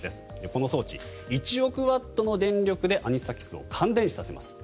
この装置、１億ワットの電力でアニサキスを感電死させます。